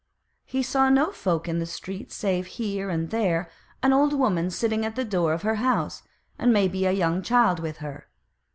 He saw no folk in the street save here and there an old woman sitting at the door of her house, and maybe a young child with her.